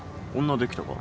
女できたか？